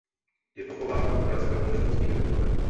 Je pochována v Praze na Olšanských hřbitovech.